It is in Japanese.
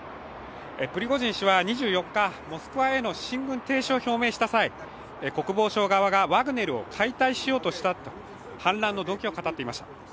プリゴジン氏は２４日、モスクワへの進軍停止を表明した際、国防省側がワグネルを解体しようとしたと、反乱の動機を語っていました。